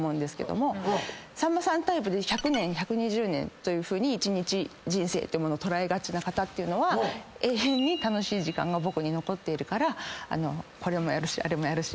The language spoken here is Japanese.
さんまさんタイプで１００年１２０年というふうに一日人生ってものを捉えがちな方っていうのは永遠に楽しい時間が僕に残っているからこれもやるしあれもやるし。